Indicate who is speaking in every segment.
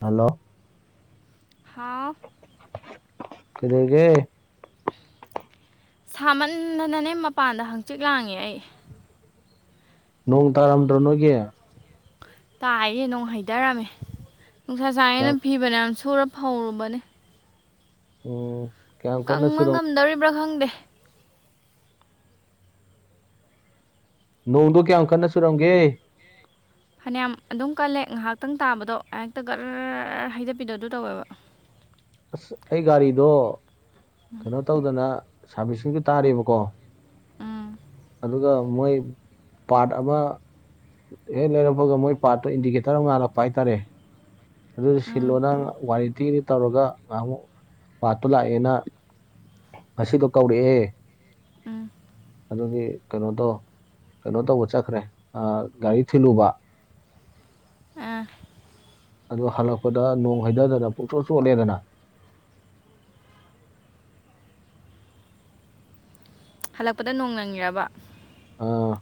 Speaker 1: Hello
Speaker 2: ꯍꯥ
Speaker 1: [unintelligible] ꯀꯩꯗꯧꯔꯤꯒꯦ
Speaker 2: ꯁꯥꯃꯟꯗꯅꯅꯦ ꯃꯄꯥꯟꯗ ꯍꯪꯆꯤꯠ ꯂꯥꯡꯉꯤꯌꯦ ꯑꯩ
Speaker 1: ꯅꯣꯡ ꯇꯥꯔꯝꯗ꯭ꯔꯣ ꯅꯣꯏꯒꯤ
Speaker 2: ꯇꯥꯏꯌꯦ ꯅꯣꯡ ꯍꯩꯊꯔꯝꯃꯦ ꯅꯨꯡꯁꯥ ꯁꯥꯏꯌꯦꯅ
Speaker 1: ꯀꯌꯥꯝ
Speaker 2: ꯐꯤ ꯐꯅꯌꯥꯝ ꯁꯨꯔ ꯐꯧꯔꯨꯕꯅꯦ
Speaker 1: ꯑꯣ
Speaker 2: ꯀꯪꯕ ꯉꯝꯗꯣꯔꯤꯕ꯭ꯔꯥ ꯈꯪꯗꯦ
Speaker 1: ꯅꯣꯡꯗꯣ ꯀꯌꯥꯝ ꯀꯟꯅ ꯆꯨꯔꯝꯒꯦ
Speaker 2: ꯐꯅꯌꯥꯝ ꯑꯗꯨꯝ ꯀꯜꯂꯦ ꯉꯥꯏꯍꯥꯛꯇꯪ ꯇꯥꯕꯗꯣ ꯍꯦꯛꯇ ꯒꯔ ꯔ ꯔ ꯔ ꯍꯩꯗꯕꯤꯗꯣ ꯑꯗꯨ ꯇꯧꯋꯦꯕ
Speaker 1: ꯑꯁ ꯑꯩ ꯒꯥꯔꯤꯗꯣ ꯀꯩꯅꯣ ꯇꯧꯗꯅ ꯁꯥꯔꯚꯤꯁꯁꯤꯡꯖꯨ ꯇꯥꯔꯤꯕꯀꯣ
Speaker 2: ꯎꯝ
Speaker 1: ꯑꯗꯨꯒ ꯃꯣꯏ ꯄꯥꯔ꯭ꯠ ꯑꯃ ꯍꯦꯛ ꯂꯩꯔꯛꯄꯒ ꯃꯣꯏ ꯄꯥꯔꯠꯇꯣ ꯏꯟꯗꯤꯀꯦꯇꯔ ꯑꯃꯒ ꯍꯥꯟꯅ ꯄꯥꯏꯊꯔꯦ ꯑꯗꯨꯅ
Speaker 2: ꯎꯝ
Speaker 1: ꯁꯤꯜꯂꯣ ꯅꯪ ꯋꯥꯔꯤꯂꯤꯇꯤ ꯇꯧꯔꯒ ꯉꯥꯏꯍꯥꯛꯃꯨꯛ ꯄꯥꯠꯇꯣ ꯂꯥꯛꯑꯦꯅ ꯉꯁꯤꯗꯣ ꯀꯧꯔꯛꯑꯦ
Speaker 2: ꯎꯝ
Speaker 1: ꯑꯗꯨꯒꯤ ꯀꯩꯅꯣꯗꯣ ꯀꯩꯅꯣ ꯇꯧꯕ ꯆꯠꯈ꯭ꯔꯦ ꯑ ꯒꯥꯔꯤ ꯊꯤꯜꯂꯨꯕ
Speaker 2: ꯑꯥ
Speaker 1: ꯑꯗꯨ ꯍꯜꯂꯛꯄꯗ ꯅꯣꯡ ꯍꯩꯊꯗꯅ ꯄꯨꯡꯆꯣꯠ ꯆꯣꯠꯂꯦꯗꯅ
Speaker 2: ꯍꯜꯂꯛꯄꯗ ꯅꯣꯡ ꯅꯪꯉꯤꯔꯕ
Speaker 1: ꯑꯥ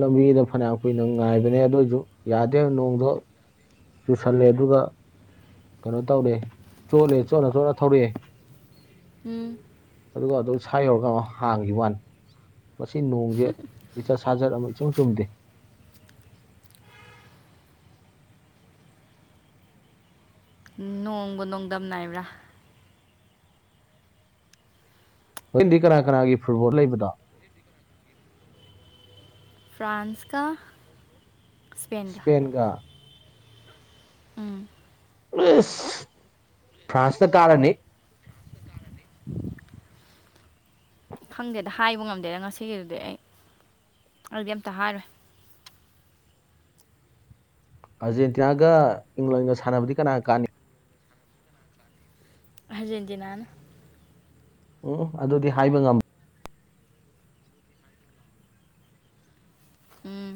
Speaker 1: ꯂꯝꯕꯤꯗ ꯐꯅꯌꯥꯝ ꯀꯨꯏꯅ ꯉꯥꯏꯕꯅꯦ ꯑꯗꯨ ꯑꯣꯏꯁꯨ ꯌꯥꯗꯦ ꯅꯣꯡꯗꯣ ꯆꯨꯁꯜꯂꯦ ꯑꯗꯨꯒ ꯀꯩꯅꯣ ꯇꯧꯔꯦ ꯆꯣꯠꯂꯦ ꯆꯣꯠꯂ ꯊꯣꯠꯅ ꯊꯧꯔꯛꯑꯦ
Speaker 2: ꯎꯝ
Speaker 1: ꯑꯗꯨꯒ ꯑꯗꯨ ꯁ ꯌꯧꯔꯒ ꯑꯃ ꯍꯥꯡꯈꯤꯕ ꯋꯥꯅꯤ ꯃꯁꯤ ꯅꯣꯡꯁꯦ ꯂꯤꯆꯠ ꯁꯥꯖꯠ ꯑꯃ ꯏꯆꯨꯝ ꯆꯨꯝꯗꯦ
Speaker 2: ꯅꯣꯡꯃ ꯅꯣꯡꯗꯝ ꯅꯥꯏꯕ꯭ꯔꯥ
Speaker 1: ꯍꯖꯤꯣꯏꯦꯟꯗꯤ ꯀꯅꯥ ꯀꯅꯥꯒꯤ ꯐꯨꯠꯕꯣꯜ ꯂꯩꯕꯗꯣ
Speaker 2: ꯐ꯭ꯔꯥꯟꯁꯀꯥ
Speaker 1: ꯁ꯭ꯄꯦꯟꯒ
Speaker 2: ꯎꯝ
Speaker 1: ꯏꯁ ꯐ꯭ꯔꯥꯟꯁꯅ ꯀꯥꯔꯅꯤ
Speaker 2: ꯈꯪꯗꯦꯗ ꯍꯥꯏꯕ ꯉꯝꯗꯦꯗ ꯉꯁꯤꯒꯤꯗꯨꯗꯤ ꯑꯩ ꯑꯩꯗꯤ ꯑꯝꯇ ꯍꯥꯏꯔꯣꯏ
Speaker 1: ꯑꯥꯔꯖꯦꯟꯇꯤꯅꯥꯒ ꯏꯪꯂꯦꯟꯒ ꯁꯥꯟꯅꯕꯗꯤ ꯀꯅꯥ ꯀꯥꯅꯤ
Speaker 2: ꯑꯥꯔꯖꯦꯟꯇꯤꯅꯥꯅ
Speaker 1: ꯎꯝ ꯑꯗꯨꯗꯤ ꯍꯥꯏꯕ ꯉꯝꯝ
Speaker 2: ꯎꯝ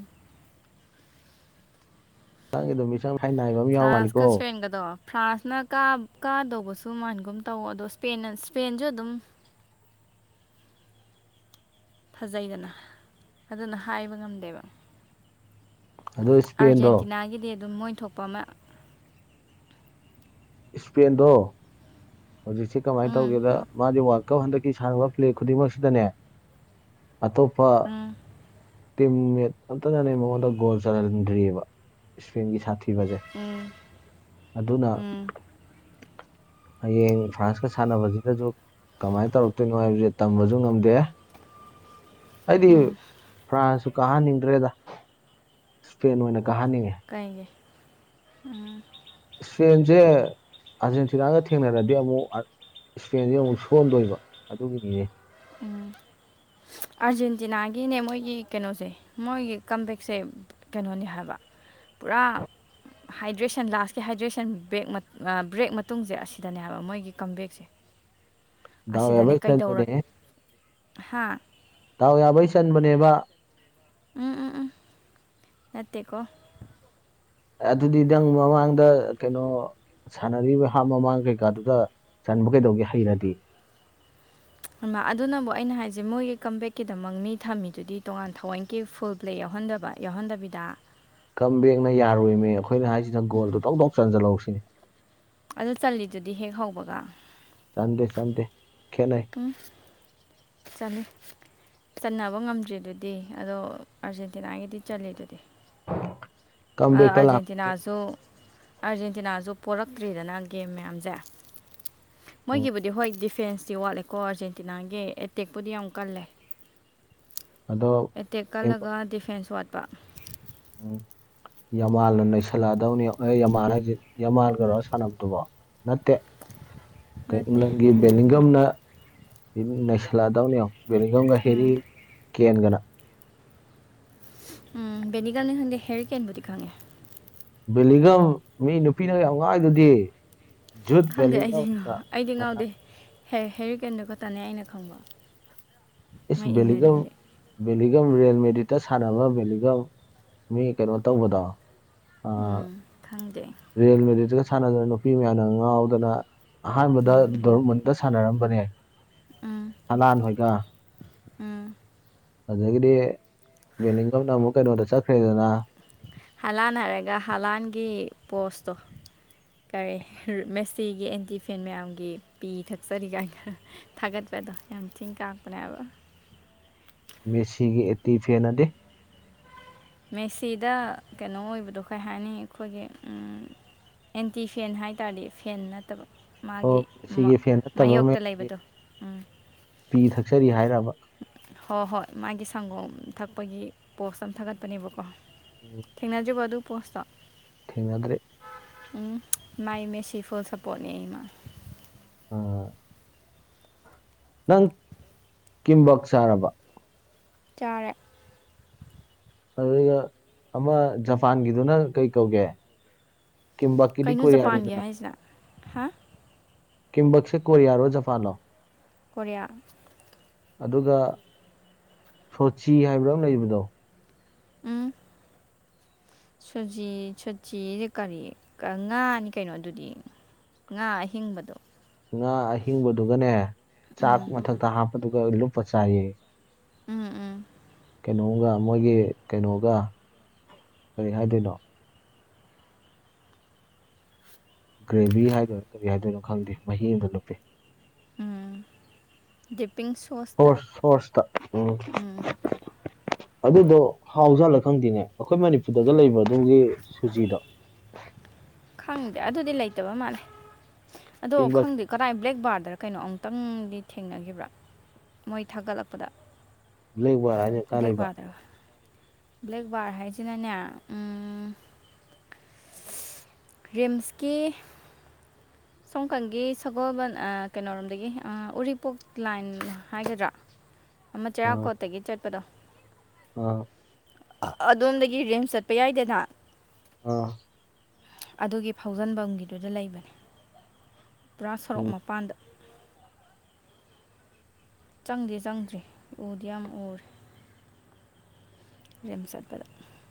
Speaker 1: ꯍꯛꯆꯥꯡꯒꯤꯗꯣ ꯃꯤꯆꯥꯡ ꯍꯥꯏ ꯅꯥꯏꯕ ꯑꯃ ꯌꯥꯎ ꯃꯥꯜꯂꯤꯀꯣ
Speaker 2: ꯍꯪꯒꯗꯣ ꯐ꯭ꯔꯥꯟꯁꯅ ꯀ ꯀꯥꯗꯧꯕꯁꯨ ꯃꯅꯒꯨꯝ ꯇꯧ ꯑꯗꯣ ꯏꯁꯄꯦꯟꯅ ꯏꯁꯄꯦꯟꯁꯨ ꯑꯗꯨꯝ ꯐꯖꯩꯗꯅ ꯑꯗꯨꯅ ꯍꯥꯏꯕ ꯉꯝꯗꯦꯕ
Speaker 1: ꯑꯗꯣ ꯏꯁꯄꯦꯟꯗꯣ
Speaker 2: ꯑꯥꯔꯖꯦꯟꯇꯤꯅꯥꯒꯤꯗꯤ ꯑꯗꯨꯝ ꯃꯣꯏ ꯊꯣꯛꯄ ꯑꯃ
Speaker 1: ꯁꯄꯦꯟꯗꯣ ꯍꯧꯖꯤꯛꯁꯦ ꯀꯃꯥꯏꯅ
Speaker 2: ꯎꯝ
Speaker 1: ꯇꯧꯒꯦꯗ ꯃꯥꯗꯤ ꯋꯥꯔꯜ ꯀꯞ ꯍꯟꯗꯛꯀꯤ ꯁꯥꯡꯅꯕ ꯄ꯭ꯂꯦ ꯈꯨꯗꯤꯡꯃꯛꯁꯤꯗꯅꯦ ꯑꯇꯣꯞꯄ
Speaker 2: ꯎꯝ
Speaker 1: ꯇꯤꯝꯠ ꯑ ꯅ ꯃꯉꯣꯟꯗ ꯣꯜ ꯆꯗ꯭ꯔꯤꯑꯕ ꯏꯁꯄꯦꯟꯒꯤ ꯁꯥꯊꯤꯕꯁꯦ
Speaker 2: ꯎꯝ
Speaker 1: ꯑꯗꯨꯅ
Speaker 2: ꯎꯝ
Speaker 1: ꯍꯌꯦꯡ ꯐ꯭ꯔꯥꯟꯁꯀ ꯁꯥꯟꯅꯕꯁꯤꯗꯁꯨ ꯀꯃꯥꯏꯅ ꯇꯧꯔꯛꯇꯣꯏꯅꯣ ꯍꯥꯏꯕꯁꯦ ꯇꯝꯕꯁꯨ ꯉꯝꯗꯦ ꯑꯩꯗꯤ
Speaker 2: ꯎꯝ
Speaker 1: ꯐ꯭ꯔꯥꯟꯁꯁꯨ ꯀꯥꯍꯟꯅꯤꯡꯗ꯭ꯔꯦꯗ ꯐꯦꯟ ꯑꯣꯏꯅ ꯀꯥꯍꯟꯅꯤꯡꯉꯦ
Speaker 2: ꯀꯥꯏꯒꯦ ꯎꯝ
Speaker 1: ꯏꯁꯄꯦꯟꯁꯦ ꯑꯥꯔꯖꯦꯟꯇꯤꯅꯥꯒ ꯊꯦꯡꯅꯔꯗꯤ ꯑꯃꯨꯛ ꯏꯁꯄꯦꯟꯁꯦ ꯑꯃꯨꯛ ꯁꯣꯟꯗꯣꯏꯕ ꯑꯗꯨꯒꯤꯅꯤꯅꯦ
Speaker 2: ꯎꯝ ꯑꯥꯔꯖꯦꯟꯇꯤꯅꯥꯒꯤꯅꯦ ꯃꯣꯏꯒꯤ ꯀꯩꯅꯣꯁꯦ ꯃꯣꯏꯒꯤ ꯀꯝꯕꯦꯛꯁꯦ ꯀꯩꯅꯣꯅꯦ ꯍꯥꯏꯕ ꯄꯨꯔꯥ ꯍꯥꯏꯗ꯭ꯔꯦꯁꯟ ꯂꯥꯁꯀꯤ ꯍꯥꯏꯗ꯭ꯔꯦꯁꯟ ꯕꯦꯛ ꯕ꯭ꯔꯦꯛ ꯃꯇꯨꯡꯁꯦ ꯑꯁꯤꯗꯅꯦ ꯍꯥꯏꯕ ꯃꯣꯏꯒꯤ ꯀꯝꯕꯦꯛꯁꯦ
Speaker 1: ꯗꯥꯏ ꯌꯥꯕꯏ ꯆꯟꯕꯅꯦꯅꯤꯍꯥ
Speaker 2: ꯍꯥꯥ
Speaker 1: ꯇꯥꯎ ꯌꯥꯕꯩ ꯆꯟꯕꯅꯦꯕ
Speaker 2: ꯎꯝ ꯎꯝ ꯎꯝ ꯅꯠꯇꯦꯀꯣ
Speaker 1: ꯑꯗꯨꯗꯤ ꯅꯪ ꯃꯃꯥꯡꯗ ꯀꯩꯅꯣ ꯁꯥꯟꯅꯔꯤꯕ ꯍꯥꯞ ꯃꯃꯥꯡ ꯀꯩꯀꯥꯗꯨꯗ ꯆꯟꯕ ꯀꯩꯗꯧꯒꯦ ꯍꯩꯔꯗꯤ
Speaker 2: ꯑꯗꯨꯅꯕꯨ ꯑꯩꯅ ꯍꯥꯏꯁꯦ ꯃꯣꯏꯒꯤ ꯀꯝꯕꯦꯛꯀꯤꯗꯃꯛ ꯃꯤ ꯊꯝꯃꯤꯗꯨꯗꯤ ꯇꯣꯉꯥꯟ ꯊꯋꯥꯏꯒꯤ ꯐꯨꯜ ꯄ꯭ꯂꯦ ꯌꯥꯎꯍꯟꯗꯕ ꯌꯥꯎꯍꯟꯗꯕꯤꯗ
Speaker 1: ꯀꯝ ꯕꯦꯛꯅ ꯌꯥꯔꯨꯣꯏꯃꯦ ꯑꯩꯈꯣꯏꯅ ꯍꯥꯏꯁꯤꯅ ꯒꯣꯜꯗꯣ ꯇꯧ ꯇꯧ ꯆꯟꯁꯤꯜꯍꯧꯁꯤꯅꯦ
Speaker 2: ꯑꯗꯨ ꯆꯜꯂꯤꯠꯂꯤꯗꯨꯗꯤ ꯍꯦꯛ ꯍꯧꯕꯒ
Speaker 1: ꯆꯗꯦ ꯆꯥꯟꯗꯦ ꯈꯅ
Speaker 2: ꯎꯝ ꯆꯂꯤ ꯆꯠꯟꯅꯅꯕ ꯉꯝꯗ꯭ꯔꯤꯗꯨꯗꯤ ꯑꯗꯣ ꯑꯥꯔꯖꯦꯟꯇꯤꯅꯥꯒꯤꯗꯤ ꯆꯜꯂꯤꯂꯗꯨꯗꯤ
Speaker 1: [unintelligible]
Speaker 2: ꯑ
Speaker 1: ꯀꯝꯕꯦꯛꯇ ꯂꯥꯛ
Speaker 2: ꯑꯔꯖꯦꯟꯇꯤꯅꯥꯁꯨ꯫ ꯑꯥꯔꯖꯦꯟꯇꯤꯅꯥꯁꯨ ꯄꯣꯔꯛꯇ꯭ꯔꯤꯗꯅ ꯒꯦꯝ ꯃꯌꯥꯝꯁꯦ
Speaker 1: ꯎꯝ
Speaker 2: ꯃꯣꯏꯒꯤꯕꯨꯗꯤ ꯍꯣꯏ ꯗꯤꯐ꯫ ꯗꯤꯐꯦꯟꯁꯇꯤ ꯋꯥꯠꯂꯦꯀꯣ ꯑꯥꯔꯖꯦꯟꯇꯤꯅꯥꯒꯤ ꯑꯦꯇꯦꯛꯄꯨꯗꯤ ꯌꯥꯝ ꯀꯜꯂꯦ꯫
Speaker 1: ꯑꯗꯣ
Speaker 2: ꯑꯦꯇꯦꯛ ꯀꯜꯂꯒ ꯗꯤꯐꯦꯟꯁ ꯋꯥꯠꯄ꯫
Speaker 1: ꯑꯣ꯫ ꯌꯥꯝꯃꯥꯥꯟꯅ ꯅꯩꯁꯜꯂꯛꯑꯗꯧꯅꯤ ꯑꯦ ꯌꯥꯝꯃꯥꯟ ꯍꯥꯏꯁꯤ ꯌꯥꯝꯃꯥꯟꯒꯔꯣ ꯁꯥꯟꯅꯕꯗꯨꯕꯣ ꯅꯠꯇꯦ꯫
Speaker 2: ꯅꯠꯇꯦ
Speaker 1: ꯏꯡꯂꯟꯒꯤ ꯕꯦꯂꯤꯡꯒꯝꯅ ꯅꯩꯁꯤꯜꯂꯥꯛꯑꯗꯧꯅꯤ ꯌꯦꯡꯎ꯫ ꯕꯦꯂꯤꯡꯉꯝ ꯒꯥ
Speaker 2: ꯎꯝ
Speaker 1: ꯍꯦꯔꯤꯀꯦꯟꯒꯥꯟ
Speaker 2: ꯎꯝ ꯕꯦꯂꯤꯡꯉꯝ ꯈꯪꯗꯦ ꯍꯦꯔꯤꯀꯦꯟꯕꯨꯗꯤ ꯈꯪꯉꯦ
Speaker 1: ꯕꯦꯂꯤꯉꯝ ꯃꯤ ꯅꯨꯄꯤꯅ ꯌꯥꯝ ꯉꯥꯎꯏꯗꯨꯗꯤ ꯖꯨꯠ
Speaker 2: ꯈꯪꯗꯦ ꯑꯩꯗꯤ
Speaker 1: ꯕꯦꯂꯤꯡꯒꯝꯅ
Speaker 2: ꯑꯩꯗꯤ
Speaker 1: ꯃꯌꯥꯝ
Speaker 2: ꯉꯥꯎꯗꯦ ꯍꯦꯔꯤ ꯀꯦꯟꯗ ꯈꯇꯥꯅꯦ ꯑꯩꯅ ꯈꯪꯕ
Speaker 1: ꯏꯁ
Speaker 2: ꯃꯣꯏ
Speaker 1: ꯕꯦꯂꯤꯡꯉꯝ
Speaker 2: ꯏꯪꯂꯦꯟꯒꯤꯗꯤ
Speaker 1: ꯕꯦꯂꯤꯉꯝ ꯔꯤꯌꯦꯜ ꯃꯦꯃꯥꯗꯔ꯭ꯤꯠꯇ ꯁꯥꯟꯅꯕ ꯕꯦꯂꯤꯉꯝ ꯃꯤ ꯀꯩꯅꯣ ꯇꯧꯕꯗꯣ ꯑꯥ
Speaker 2: ꯎꯝ ꯈꯪꯖꯩ
Speaker 1: ꯔꯤꯌꯦꯜ ꯃꯦꯗꯔꯤꯠꯇꯒ ꯁꯥꯟꯅꯗꯅ ꯅꯨꯄꯤ ꯃꯌꯥꯝꯅ ꯉꯥꯎꯗꯅ ꯑꯍꯥꯟꯕꯗ
Speaker 2: ꯎꯝ
Speaker 1: ꯗꯣꯔꯃꯨꯟꯗ ꯫ ꯁꯥꯟꯅꯔꯝꯕꯅꯦ꯫
Speaker 2: ꯎꯝ꯫
Speaker 1: ꯍꯂꯟ ꯍꯣꯏꯒ꯫
Speaker 2: ꯎꯝ꯫
Speaker 1: ꯑꯗꯒꯤꯗꯤ ꯕꯦꯂꯤꯡꯉꯝꯅꯥ ꯑꯃꯨꯛ ꯀꯩꯅꯣꯗ ꯆꯠꯈ꯭ꯔꯦꯗꯅ꯫
Speaker 2: ꯍꯥꯂꯥꯟ ꯍꯥꯏꯔꯒ ꯍꯂꯥꯟꯒꯤ ꯄꯣꯁꯇꯣ꯫ ꯀꯔꯤ ꯃꯦꯁꯤꯒꯤ ꯑꯦꯟꯇꯤꯐꯦꯟ ꯃꯌꯥꯝꯒꯤ ꯄꯤ ꯊꯛꯆꯔꯤ ꯀꯥꯏꯅ꯫ ꯊꯥꯒꯦꯠꯄꯗꯣ ꯌꯥꯝ ꯊꯤꯅꯥ ꯀꯥꯛꯄꯅꯦ ꯍꯥꯏꯕ꯫
Speaker 1: ꯃꯦꯁꯤꯒꯤ ꯑꯦꯠꯇꯤ ꯐꯦꯟꯑꯗꯤ꯫
Speaker 2: ꯃꯦꯁꯤꯗ ꯀꯩꯅꯣ ꯑꯣꯏꯕꯗꯣ ꯀꯩ ꯍꯥꯏꯅꯤ ꯑꯩꯈꯣꯏꯒꯤ ꯎꯝ꯫ ꯑꯦꯟꯇꯤ ꯐꯦꯟ ꯍꯥꯏ ꯇꯥꯔꯗꯤ ꯐꯦꯟ ꯅꯠꯇꯕ꯫
Speaker 1: ꯑꯣ
Speaker 2: ꯃꯥꯒꯤ
Speaker 1: ꯃꯦꯁꯤꯒꯤ ꯐꯦꯟ ꯅꯠꯇꯕ
Speaker 2: ꯃꯥꯌꯣꯛꯇ
Speaker 1: ꯃꯌꯥꯝꯒꯤ
Speaker 2: ꯂꯩꯕꯗꯣ ꯎꯝ꯫
Speaker 1: ꯄꯤ ꯊꯛꯆꯔꯤ ꯍꯥꯏꯔꯕ꯫
Speaker 2: ꯍꯣꯏ ꯍꯣꯏ ꯃꯥꯒꯤ ꯁꯪꯒꯣꯝ ꯊꯛꯄꯒꯤ ꯄꯣꯁ ꯑꯃ ꯊꯥꯒꯠꯄꯅꯦꯕꯀꯣ꯫
Speaker 1: ꯎꯝ꯫
Speaker 2: ꯊꯦꯡꯅꯗꯔꯤꯕꯣ ꯑꯗꯨ ꯄꯣꯁꯇꯣ꯫
Speaker 1: ꯊꯦꯡꯅꯘꯔꯤ ꯫
Speaker 2: ꯎꯝ ꯃꯥꯏ ꯃꯦꯁꯤ ꯐꯨꯜ ꯁꯞꯄꯣꯔꯠꯅꯤ ꯑꯩ ꯏꯃ꯫
Speaker 1: ꯑ꯫ ꯅꯪ ꯀꯤꯝꯕꯛ ꯆꯥꯔꯕ꯫
Speaker 2: ꯆꯔꯦ꯫
Speaker 1: ꯑꯗꯨꯒ ꯑꯃ ꯖꯄꯥꯟꯒꯤꯗꯨꯅ ꯀꯩꯀꯧꯒꯦ꯫
Speaker 2: ꯀꯩꯅꯣ ꯖꯄꯥꯟꯒꯤ ꯍꯥꯏꯁꯦ ꯍꯥ ꯫
Speaker 1: ꯀꯤꯝꯕꯛꯁꯦ ꯀꯔꯤꯌꯔꯣ ꯖꯐꯂꯣ꯫
Speaker 2: ꯀꯣꯔꯤꯌꯥ
Speaker 1: ꯑꯗꯨꯒ ꯁꯣꯆꯤ ꯍꯥꯏꯕ꯭ꯔꯥ ꯑꯃ ꯂꯩꯕꯗꯣ꯫
Speaker 2: ꯎꯝ
Speaker 1: [inaudible]
Speaker 2: ꯁꯨꯖꯤ ꯁꯨꯖꯤ ꯍꯥꯏꯖꯦ ꯀꯔꯤ ꯉꯥꯅꯤ ꯀꯩꯅꯣ ꯑꯗꯨꯗꯤ꯫ ꯉꯥ ꯑꯍꯤꯡꯕꯗꯣ꯫
Speaker 1: ꯉꯥ ꯑꯍꯤꯡꯕꯗꯨꯒꯅꯦ ꯆꯥꯛ ꯃꯊꯛꯇ ꯍꯥꯞꯄꯗꯨꯒ ꯂꯨꯞꯄ ꯆꯥꯏꯌꯦ꯫
Speaker 2: ꯎꯝ ꯎꯝ꯫
Speaker 1: ꯀꯩꯅꯣꯝꯒ ꯃꯣꯏꯒꯤ ꯀꯩꯅꯣꯒ ꯀꯔꯤ ꯍꯥꯏꯗꯣꯏꯅꯣ꯫ ꯒ꯭ꯔꯦꯚꯤ ꯍꯥꯏꯗꯣꯏꯔꯥ ꯀꯔꯤ ꯍꯥꯏꯗꯣꯏꯅꯣ ꯈꯪꯗꯦ ꯃꯍꯤ ꯑꯃꯗ ꯂꯨꯞꯄꯤ꯫
Speaker 2: ꯗꯤꯞꯄꯤꯡ ꯁꯣꯁ
Speaker 1: ꯐꯁ ꯐꯣꯔꯁꯇ ꯎꯝ ꯑꯗꯨꯗꯣ ꯍꯥꯎꯖꯥꯠꯂ ꯈꯪꯗꯦꯅꯦ ꯑꯩꯈꯣꯏ ꯃꯅꯤꯄꯨꯔꯗꯒ ꯂꯩꯕꯔꯣ ꯑꯗꯨꯒꯤ ꯁꯨꯖꯤ [unintelligible]
Speaker 2: ꯈꯪꯗꯦ ꯑꯗꯨꯗꯤ ꯂꯩꯇꯕ ꯃꯥꯜꯂꯦ ꯑꯗꯣ
Speaker 1: ꯀꯤꯝꯕꯛ
Speaker 2: ꯈꯪ [unintelligible] ꯀꯗꯥꯏ ꯕ꯭ꯂꯦꯛ ꯕꯥꯔꯗꯔ ꯀꯩꯅꯣ ꯑꯃꯨꯛꯇꯪꯗꯤ ꯊꯦꯡꯅꯈꯤꯕ꯭ꯔꯥ ꯃꯣꯏ ꯊꯥꯒꯠꯂꯛꯄꯗ
Speaker 1: ꯕ꯭ꯂꯦꯛꯕꯥꯔ ꯍꯥꯏꯅ ꯀꯥꯏ
Speaker 2: ꯕ꯭ꯂꯦꯛ
Speaker 1: ꯂꯩꯕ
Speaker 2: ꯕꯥꯔ ꯇ ꯕ꯭ꯂꯦꯛ ꯕꯥꯔ ꯍꯥꯏꯁꯤꯅꯅꯦ ꯔꯤꯝꯁꯀꯤ ꯁꯣꯝꯀꯟꯒꯤ ꯁꯒꯣꯜꯕꯟ ꯀꯩꯅꯣꯔꯣꯝꯗꯒꯤ ꯎꯔꯤꯄꯣꯛ ꯂꯥꯏꯟ ꯍꯥꯏꯒꯗ꯭ꯔꯥ
Speaker 1: [inaudible]
Speaker 2: ꯑꯃ ꯆꯔꯥꯛꯀꯣꯠꯇꯒꯤ ꯆꯠꯄꯗꯣ
Speaker 1: ꯑ꯫
Speaker 2: ꯑꯗꯣꯝꯗꯒꯤ ꯔꯤꯃꯁ ꯆꯠꯄ ꯌꯥꯏꯗꯅ꯫
Speaker 1: ꯑꯥ꯫
Speaker 2: ꯑꯗꯨꯒꯤ ꯐꯥꯎꯖꯟꯐꯝꯒꯤꯗꯨꯗ ꯂꯩꯕꯅꯦ ꯫ ꯄꯨꯔꯥ ꯁꯣꯔꯣꯛ
Speaker 1: ꯎꯝ
Speaker 2: ꯃꯄꯥꯟꯗ꯫ ꯆꯪꯗꯤ ꯆꯪꯗ꯭ꯔꯤ ꯎꯗꯤ ꯌꯥꯝ ꯎꯔꯦ꯫ ꯔꯤꯝꯁ ꯆꯠꯄꯗ꯫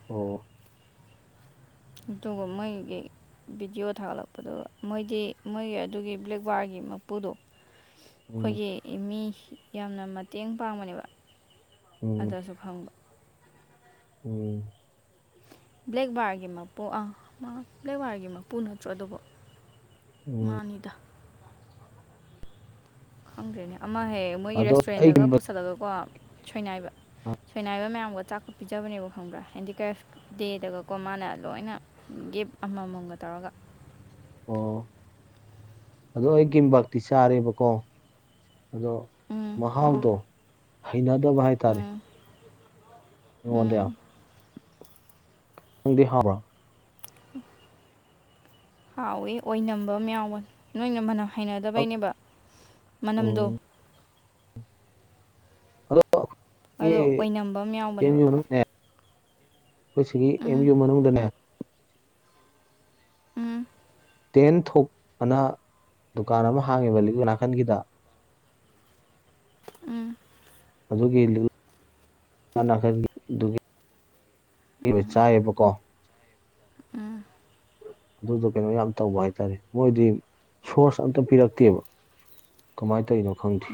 Speaker 1: ꯑꯣ꯫
Speaker 2: ꯑꯗꯨꯒ ꯃꯩꯒꯤ꯫ ꯚꯤꯗꯤꯑꯣ ꯊꯥꯒꯠꯂꯛꯄꯗꯨ ꯃꯣꯏꯗꯤ ꯃꯣꯏꯒꯤ ꯑꯗꯨꯒꯤ ꯕ꯭ꯂꯦꯛꯕꯥꯔꯒꯤ ꯃꯄꯨꯗꯣ꯫
Speaker 1: ꯎꯝ
Speaker 2: ꯑꯩꯈꯣꯏꯒꯤ ꯃꯤ ꯌꯥꯝꯅ ꯃꯇꯦꯡ ꯄꯥꯡꯕꯅꯦꯕ
Speaker 1: ꯎꯝ
Speaker 2: ꯑꯗꯨꯗ [unintelligible] ꯐꯪ
Speaker 1: ꯎꯝ
Speaker 2: ꯕ꯭ꯂꯦꯛ ꯕꯥꯔꯒꯤ ꯃꯄꯨ ꯑꯥ ꯕ꯭ꯂꯦꯛ ꯕꯥꯔꯒꯤ ꯃꯄꯨ ꯅꯠꯇ꯭ꯔꯣ ꯑꯗꯨꯕꯨ
Speaker 1: ꯎꯝ
Speaker 2: ꯃꯥꯟꯅꯤꯗ ꯈꯪꯗ꯭ꯔꯦꯅꯦ ꯑꯃ ꯍꯦꯛ ꯃꯣꯏꯒꯤ
Speaker 1: ꯑꯗꯣ ꯑꯩ
Speaker 2: ꯔꯦꯁꯇꯨꯔꯦꯟꯗꯒ
Speaker 1: ꯀꯤꯝꯕꯛ
Speaker 2: ꯄꯨꯁꯜꯂꯒꯀꯣ ꯁꯣꯏꯅꯥꯏꯕ ꯁꯣꯏꯅꯥꯏꯕ ꯃꯌꯥꯝꯒ ꯑ ꯆꯥꯛꯄ ꯄꯤꯖꯕꯅꯦꯕ ꯈꯪꯕ꯭ꯔꯥ ꯍꯦꯟꯗꯤꯀ꯭ꯔꯦꯐ [unintelligible] ꯃꯥꯅ ꯂꯣꯏꯅ ꯒꯤꯞ ꯑꯃꯃꯝꯒ ꯇꯧꯔꯒ
Speaker 1: ꯑꯣ ꯑꯗꯨꯗꯣ ꯑꯩꯒꯤꯕꯥꯇꯤ ꯆꯥꯔꯦꯕꯀꯣ ꯑꯗꯣ
Speaker 2: ꯎꯝ
Speaker 1: ꯃꯍꯥꯎꯗꯣ ꯍꯩꯅꯗꯕ ꯍꯥꯏꯇꯥꯔꯦ
Speaker 2: ꯎꯝ ꯎꯝ
Speaker 1: [unintelligible] ꯎꯪꯗꯤ ꯍꯥꯕ꯭ꯔꯥ
Speaker 2: [unintelligible] [unintelligible] ꯍꯥꯎꯋꯦ ꯑꯣꯏꯅꯕ ꯑꯃ ꯌꯥꯎꯕ ꯅꯣꯏꯅ ꯃꯅ ꯍꯩꯅꯗꯕꯩꯅꯦꯕ ꯃꯅꯝꯗꯣ
Speaker 1: ꯎꯝ ꯑꯗꯣ ꯑꯩꯈꯣꯏꯒꯤ
Speaker 2: ꯑꯗꯣ ꯑꯣꯏꯅꯝꯕ ꯑꯃ
Speaker 1: ꯑꯦꯝ
Speaker 2: ꯌꯥꯎꯕꯅꯦꯕ
Speaker 1: ꯌꯨ ꯃꯅꯨꯡꯅꯦ ꯑꯩꯈꯣꯏ ꯁꯤꯒꯤ ꯑꯦꯝ
Speaker 2: ꯎꯝ
Speaker 1: ꯌꯨ ꯃꯅꯨꯡꯗ [unintelligible]
Speaker 2: ꯎꯝ
Speaker 1: ꯇꯦꯟ ꯊꯣꯛ ꯑꯅ ꯗꯨꯀꯥꯟ ꯑꯃ ꯍꯥꯡꯉꯦꯕ ꯂꯤꯛ ꯅꯥꯀꯟꯒꯤꯗ
Speaker 2: ꯎꯝ
Speaker 1: ꯑꯗꯨꯒꯤ [unintelligible] [unintelligible] [unintelligible] ꯏꯕ ꯆꯥꯏꯌꯦꯕꯀꯣ ꯑꯗꯨꯗꯣ ꯀꯩꯅꯣ ꯌꯥꯝ ꯇꯧꯕ ꯍꯥꯏꯇꯥꯔꯦ ꯃꯣꯏꯗꯤ ꯁꯣꯔꯁ ꯑꯝꯇ ꯄꯤꯔꯛꯇꯦꯕ ꯀꯃꯥꯏꯅ ꯇꯧꯔꯤꯅꯣ ꯈꯪꯗꯦ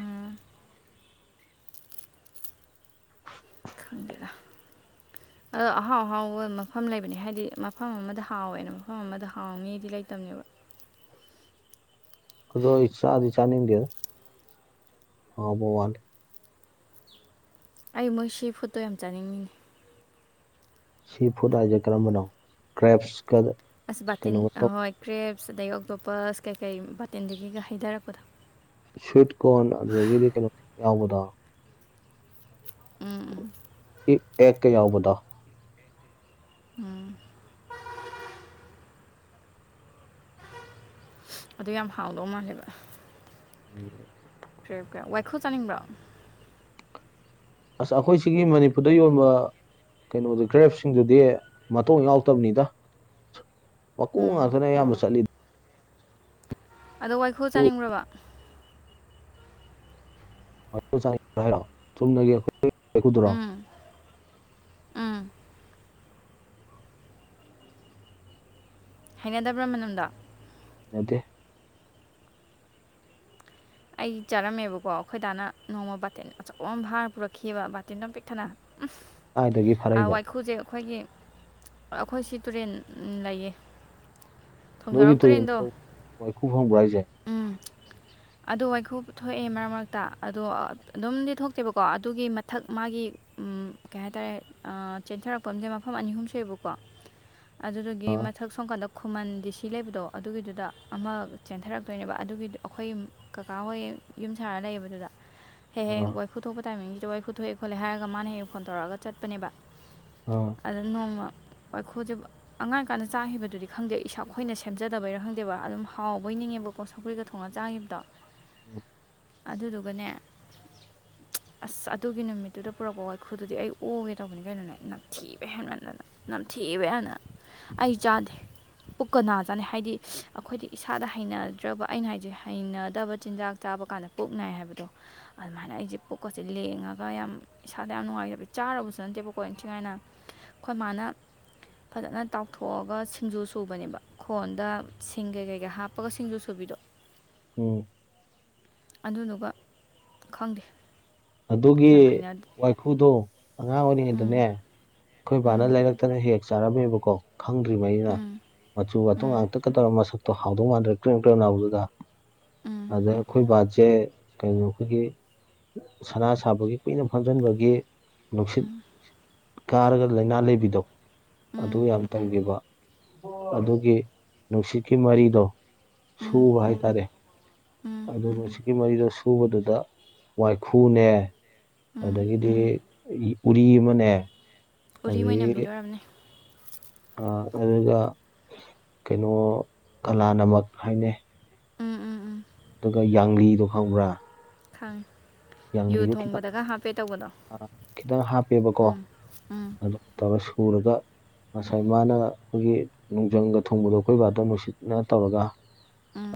Speaker 1: [unintelligible]
Speaker 2: ꯈꯪꯗꯦꯗ ꯑꯗꯣ ꯑꯍꯥꯎ ꯑꯍꯥꯎꯕ ꯃꯐꯝ ꯂꯩꯕꯅꯦ ꯍꯥꯏꯗꯤ ꯃꯐꯝ ꯑꯃꯗ ꯍꯥꯎꯋꯦꯅ ꯃꯐꯝ ꯑꯃꯗ ꯍꯥꯎꯅꯤꯗꯤ ꯂꯩꯇꯕꯅꯦꯕ
Speaker 1: ꯑꯗꯨ ꯏ ꯑꯗꯨꯗꯤ ꯆꯅꯤꯡꯦꯗ ꯍꯥꯎꯕꯥ ꯋꯥ [unintelligible]
Speaker 2: ꯑꯩ ꯃꯣꯏ ꯁꯤꯐꯨꯘꯇꯣ ꯌꯥꯝ ꯆꯥꯅꯤꯡꯉꯤꯉꯤ
Speaker 1: ꯁꯤ ꯐꯨꯠ ꯍꯥꯏꯁꯦ ꯀꯔꯝꯕꯅꯣ ꯀ꯭ꯔꯦꯞꯁꯀꯗ
Speaker 2: ꯑꯁ ꯕꯥꯇꯤꯟ ꯍꯣꯏ ꯀ꯭ꯔꯦꯞꯁ ꯑꯗꯒꯤ ꯑꯣꯛꯇꯣꯞꯄꯁ ꯀꯩꯀꯩ ꯕꯥꯇꯤꯟꯗꯒꯤꯒ ꯍꯩꯊꯔꯛꯄꯗꯣ
Speaker 1: ꯁꯋꯤꯠ ꯀꯣꯟ ꯑꯗꯨꯗꯒꯤꯗꯤ ꯀꯩꯅꯣ ꯌꯥꯎꯕꯗꯣ
Speaker 2: [unintelligible]
Speaker 1: ꯏ ꯑꯦ ꯀ ꯌꯥꯎꯕꯗꯥ
Speaker 2: ꯎꯝ ꯑꯗꯨ ꯌꯥꯝ ꯍꯥꯎꯗꯧ ꯃꯥꯜꯂꯦꯕ
Speaker 1: ꯎꯝ
Speaker 2: ꯀ꯭ꯔꯦ ꯀꯦ ꯋꯥꯏꯈꯣ ꯆꯥꯅꯤꯡꯕ꯭ꯔꯣ
Speaker 1: ꯑꯁ ꯑꯩꯈꯣꯏ ꯁꯤꯒꯤ ꯃꯅꯤꯄꯨꯔꯗ ꯌꯣꯟꯕ ꯀꯩꯅꯣꯗ ꯀꯔꯦꯞꯁꯤꯡꯗꯨꯗꯤ ꯃꯇꯣꯡ ꯌꯥꯎꯗꯕꯅꯤꯗ ꯃꯀꯣꯛ
Speaker 2: ꯎꯝ
Speaker 1: ꯉꯥꯛꯇꯅ ꯑꯌꯥꯝꯕ ꯆꯠꯂꯤ
Speaker 2: ꯑꯗꯣ ꯋꯥꯏꯈꯨ ꯆꯥꯅꯤꯡꯕ꯭ꯔꯕ
Speaker 1: ꯍꯥꯏꯔ ꯆꯨꯝꯅꯒꯣ
Speaker 2: ꯎꯝ ꯎꯝ ꯍꯩꯅꯗꯕ꯭ꯔꯥ ꯃꯅꯨꯡꯗ
Speaker 1: ꯏꯅꯠꯇꯦ
Speaker 2: ꯑꯩ ꯆꯥꯔꯝꯃꯦꯕꯀꯣ ꯑꯩꯈꯣꯏꯗꯥꯅ ꯅꯣꯡꯃ ꯕꯥꯇꯤꯟ ꯑꯆꯧꯕ ꯑꯃꯝ ꯐꯥꯔ ꯄꯨꯔꯛꯈꯤꯕꯑꯕ ꯕꯥꯇꯤꯟꯗꯣꯝ ꯄꯤꯛꯊꯟꯅ
Speaker 1: ꯀꯥꯏꯗꯒꯤ ꯐꯥꯔꯛꯏꯕ
Speaker 2: ꯋꯥꯈꯨꯁꯦ ꯑꯩꯈꯣꯏꯒꯤ ꯑꯩꯈꯣꯏ ꯁꯤ ꯇꯨꯔꯦꯟ ꯂꯩꯌꯦ
Speaker 1: ꯅꯣꯏꯒꯤ
Speaker 2: ꯊꯣꯡꯖꯥꯎꯔꯣꯛ
Speaker 1: ꯇꯨꯔꯦꯟ
Speaker 2: ꯇꯨꯔꯦꯟꯗꯣ
Speaker 1: ꯐꯥꯎ ꯋꯥꯏꯈꯨ ꯐꯪꯕ꯭ꯔꯥ ꯍꯥꯏꯁꯦ
Speaker 2: ꯑꯗꯨ ꯋꯥꯏꯈꯨꯞ ꯊꯣꯛꯑꯦ ꯃꯔꯛ ꯃꯔꯛꯇ ꯑꯗꯣ ꯑꯗꯨꯝꯗꯤ ꯊꯣꯛꯇꯦꯕꯀꯣ ꯑꯗꯨꯒꯤ ꯃꯊꯛ ꯃꯥꯒꯤ ꯎꯝ ꯀꯩ ꯍꯥꯏꯇꯥꯔꯦ ꯆꯦꯟꯊꯔꯛꯄꯝꯁꯦ ꯃꯐꯝ ꯑꯅꯤ ꯑꯍꯨꯝ ꯁꯨꯏꯌꯦꯕꯀꯣ ꯑꯗꯨꯗꯨꯒꯤ
Speaker 1: ꯑꯥ
Speaker 2: ꯃꯊꯛ ꯁꯣꯝꯀꯜꯂꯛ ꯈꯨꯃꯟ ꯗꯤ ꯁꯤ ꯂꯩꯕꯗꯣ ꯑꯗꯨꯒꯤꯗꯨꯗ ꯑꯃ ꯆꯦꯟꯊꯔꯛꯇꯣꯏꯅꯦꯕ ꯑꯗꯨꯒꯤ ꯑꯩꯈꯣꯏ ꯀꯀꯥ ꯍꯣꯏꯡ ꯌꯨꯝ ꯁꯥꯔꯒ ꯂꯩꯌꯦꯕꯗꯨꯗ ꯍꯌꯦ ꯍꯌꯦꯡ
Speaker 1: ꯑꯥ
Speaker 2: ꯐꯨꯊꯣꯛꯄ ꯇꯥꯏꯃꯤꯡꯁꯤꯗ ꯋꯥ ꯐꯨꯊꯣꯛꯑꯦ ꯈꯣꯠꯂꯦ ꯍꯥꯏꯔꯒ ꯃꯥꯅ ꯍꯦꯛꯡ ꯐꯣꯟ ꯇꯧꯔꯑꯒ ꯆꯠꯄꯅꯦꯕ
Speaker 1: ꯑꯣ
Speaker 2: ꯑꯗꯨꯗ ꯅꯣꯡꯃ ꯋꯥꯏꯈꯨꯖꯦ ꯑꯉꯥꯡ ꯀꯥꯟꯗ ꯆꯥꯈꯤꯕꯗꯨꯗꯤ ꯈꯪꯗꯦ ꯏꯁꯥꯈꯣꯏꯅ ꯁꯦꯝꯖꯗꯕꯩꯥ ꯈꯪꯗꯦꯕ ꯑꯗꯨꯝ ꯍꯥꯎꯕꯩ ꯅꯤꯡꯉꯦꯕ ꯀꯣ ꯁꯧꯀ꯭ꯒ ꯊꯣꯡꯅ ꯆꯥꯡꯉꯕꯗꯣ
Speaker 1: ꯎꯝ
Speaker 2: ꯑꯗꯨꯗꯨꯒꯅꯦ
Speaker 1: [unintelligible]
Speaker 2: ꯑꯁ ꯑꯗꯨꯒꯤ ꯅꯨꯃꯤꯠꯇꯨꯗ ꯄꯨꯔꯛꯄ ꯋꯥꯏꯈꯨꯗꯨꯗꯤ ꯑꯩ ꯑꯣꯒꯦ ꯇꯧꯕꯅꯤ ꯀꯩꯅꯣꯅꯦ ꯅꯛꯊꯤꯕ ꯍꯦꯟꯃꯟꯗꯅ ꯅꯝꯊꯤꯕ ꯍꯅ ꯑꯩ ꯆꯥꯗꯦ ꯄꯨꯛꯀ ꯅꯥꯖꯥꯅꯩ ꯍꯥꯏꯗꯤ ꯑꯩꯈꯣꯏꯗꯤ ꯏꯁꯥꯗ ꯍꯩꯅꯗ꯭ꯔꯕ ꯑꯩꯅ ꯍꯥꯏꯁꯦ ꯍꯩꯅ ꯐꯠꯇꯕ ꯆꯤꯟꯖꯥꯛ ꯆꯥꯕ ꯀꯥꯟꯗ ꯄꯨꯛꯅꯥꯏ ꯍꯥꯏꯕꯗꯣ ꯑꯗꯨꯃꯥꯏꯅ ꯑꯩꯁꯦ ꯄꯨꯛꯀꯁꯦ ꯂꯦꯡꯉꯒ ꯌꯥꯝ ꯏꯁꯥꯗ ꯌꯥꯝ ꯅꯨꯡꯉꯥꯏꯖꯕ ꯆꯥꯔꯕꯕꯨꯁꯨ ꯅꯠꯇꯦꯕꯀꯣ ꯏꯟꯊꯤꯉꯥꯏꯅ ꯑꯩꯈꯣꯏ ꯃꯥꯅ ꯐꯖꯅ ꯇꯥꯎꯊꯣꯛꯑꯒ ꯁꯤꯡꯖꯨ ꯁꯨꯕꯅꯦꯕ ꯈꯣꯟꯗ ꯁꯤꯡ ꯀꯩ ꯀꯩꯀꯩ ꯍꯥꯞꯄꯒ ꯁꯤꯡꯖꯨ ꯁꯨꯕꯤꯗꯣ
Speaker 1: ꯑꯣꯝ
Speaker 2: ꯑꯗꯨꯗꯨꯒ ꯈꯪꯗꯦ
Speaker 1: ꯑꯗꯨꯒꯤ
Speaker 2: ꯌꯥꯝ ꯍꯩꯅꯗꯦ
Speaker 1: ꯋꯥꯏꯈꯨꯗꯣ ꯑꯉꯥꯡ
Speaker 2: ꯎꯝ
Speaker 1: ꯑꯣꯏꯔꯤꯉꯩꯗꯅꯦ ꯑꯩꯈꯣꯏ ꯏꯕꯥꯅ
Speaker 2: ꯎꯝ
Speaker 1: ꯂꯩꯔꯛꯇꯅ ꯍꯦꯛ ꯆꯥꯔꯝꯃꯦꯕꯀꯣ ꯈꯪꯗ꯭ꯔꯤꯉꯩꯅ
Speaker 2: ꯎꯝ
Speaker 1: ꯃꯆꯨ ꯃꯇꯨꯡ
Speaker 2: ꯎꯝ
Speaker 1: ꯉꯥꯛꯇꯀ ꯇꯧꯔꯒ ꯃꯁꯛꯇꯣ ꯍꯥꯎꯗꯧ ꯃꯥꯟꯗ꯭ꯔꯦ ꯀ꯭ꯔꯦꯝ ꯀ꯭ꯔꯦꯝ ꯍꯥꯎꯗꯨꯒ
Speaker 2: ꯎꯝ
Speaker 1: ꯑꯗꯩ ꯑꯩꯈꯣꯏ ꯕꯥꯁꯦ ꯀꯩꯅꯣ ꯑꯩꯈꯣꯏꯒꯤ ꯁꯅꯥ ꯁꯥꯕꯒꯤ ꯀꯨꯏꯅ ꯐꯝꯖꯤꯟꯕꯒꯤ ꯅꯨꯡꯁꯤꯠ ꯀꯥꯔꯒ ꯂꯥꯏꯅꯥ ꯂꯩꯕꯤꯗꯣ
Speaker 2: ꯎꯝ
Speaker 1: ꯑꯗꯨ ꯌꯥꯝ ꯇꯝꯈꯤꯕ ꯑꯗꯨꯒꯤ ꯅꯨꯡꯁꯤꯠꯀꯤ ꯃꯔꯤꯗꯣ
Speaker 2: ꯎꯝ
Speaker 1: ꯁꯨꯕ ꯍꯥꯏꯇꯥꯔꯦ
Speaker 2: ꯎꯝ
Speaker 1: ꯑꯗꯨꯅ ꯁꯤꯛꯀꯤ ꯃꯔꯤꯗ ꯁꯨꯕꯗꯨꯗ ꯋꯥꯏꯈꯨꯅꯦ
Speaker 2: ꯎꯝ
Speaker 1: ꯑꯗꯒꯤꯗꯤ ꯎꯔꯤ ꯑꯃꯅꯦ
Speaker 2: ꯎꯔꯤ ꯃꯣꯏ ꯅꯝꯕꯤꯗꯣ
Speaker 1: ꯑꯗꯒꯤ
Speaker 2: ꯑꯣꯏꯔꯝꯅꯤ
Speaker 1: ꯑꯗꯨꯒ ꯀꯩꯅꯣ ꯀꯂꯥꯅꯃꯛ ꯍꯥꯏꯅꯦ
Speaker 2: ꯎꯝ ꯎꯝ ꯎꯝ
Speaker 1: ꯑꯗꯨꯒ ꯌꯥꯡꯂꯤꯗꯣ ꯈꯪꯕ꯭ꯔꯥ
Speaker 2: ꯈꯪꯉ ꯌꯨ
Speaker 1: ꯌꯥꯡꯂꯤꯗꯣ ꯈꯤꯇꯪ
Speaker 2: ꯊꯣꯡꯕꯗꯒ ꯍꯥꯞꯄꯦ ꯇꯧꯕꯗꯣ
Speaker 1: ꯈꯤꯇꯪ ꯍꯥꯞꯄꯦꯕꯀꯣ
Speaker 2: ꯎꯝ
Speaker 1: ꯑꯗꯨ ꯇꯧꯔꯒꯥ ꯁꯨꯔꯒ ꯉꯁꯥꯏ ꯃꯥꯅ ꯑꯩꯈꯣꯏꯒꯤ ꯅꯨꯡꯖꯪꯒ ꯊꯨꯡꯕꯗꯣ ꯑꯩꯈꯣꯏꯕꯥꯗꯣ ꯅꯨꯡꯁꯤꯠꯅ ꯇꯧꯔꯒ
Speaker 2: ꯎꯝ